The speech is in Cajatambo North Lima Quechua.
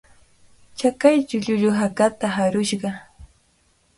Chakaychaw llullu hakata harushqa